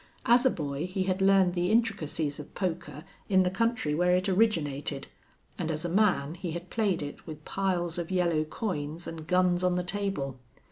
As a boy he had learned the intricacies of poker in the country where it originated; and as a man he had played it with piles of yellow coins and guns on the table.